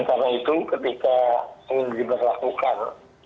karena itu ketika ingin diberlakukan